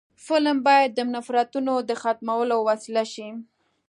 فلم باید د نفرتونو د ختمولو وسیله شي